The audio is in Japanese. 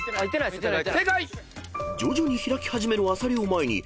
［徐々に開き始めるアサリを前に次々と正解］